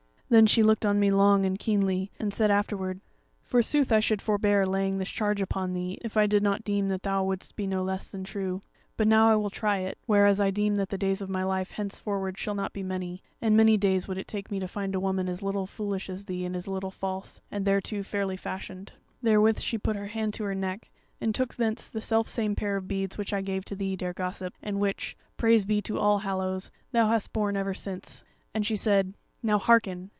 "Then she looked on me long and keenly, and said afterward: 'Forsooth I should forbear laying this charge upon thee if I did not deem that thou wouldst be no less than true. But now I will try it, whereas I deem that the days of my life henceforward shall not be many; and many days would it take me to find a woman as little foolish as thee and as little false, and thereto as fairly fashioned.' "Therewith she put her hand to her neck, and took thence the self same pair of beads which I gave to thee, dear gossip, and which (praise be to All Hallows!) thou hast borne ever since; and she said: 'Now hearken!